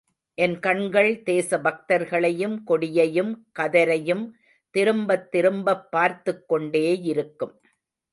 என் கண்கள் தேசபக்தர்களையும், கொடியையும் கதரையும் திரும்பத் திரும்பப் பார்த்துக் கொண்டேயிருக்கும்.